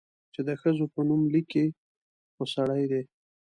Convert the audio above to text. چې د ښځو په نوم ليکي، خو سړي دي؟